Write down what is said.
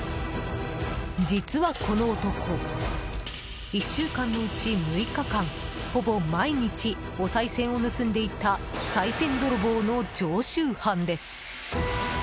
実はこの男、１週間のうち６日間ほぼ毎日おさい銭を盗んでいたさい銭泥棒の常習犯です。